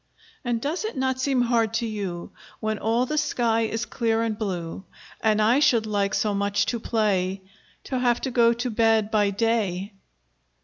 "And does it not seem hard to you, When all the sky is clear and blue, And I should like so much to play, To have to go to bed by day?"